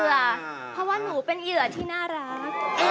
เพราะว่าหนูเป็นเหยื่อที่น่ารัก